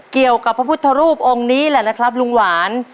เกี่ยวกับพระพุทธรูปองค์นี้แหละนะครับลุงหวาน